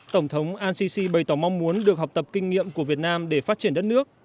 tổng thống al sisi bày tỏ mong muốn được học tập kinh nghiệm của việt nam để phát triển đất nước